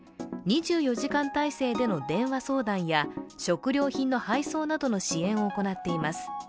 ２４時間態勢での電話相談や食料品の配送相談などの支援を行っています。